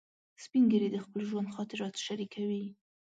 سپین ږیری د خپل ژوند خاطرات شریکوي